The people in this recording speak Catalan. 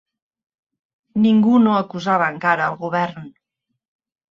Ningú no acusava encara el Govern